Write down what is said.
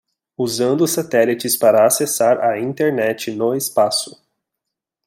Usando satélites para acessar a Internet no espaço